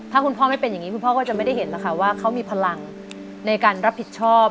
ถ้าคุณพ่อไม่เป็นอย่างนี้คุณพ่อก็จะไม่ได้เห็นแล้วค่ะว่าเขามีพลังในการรับผิดชอบ